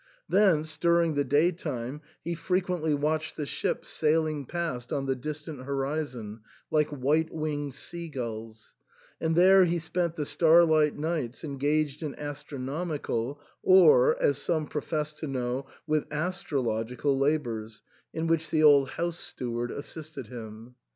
Thence during the daytime he frequently watched the ships sailing past on the distant horizon like white winged sea gulls ; and there he spent the starlight nights engaged in astro nomical, or, as some professed to know, with astrologi cal labours, in which the old house steward assisted him.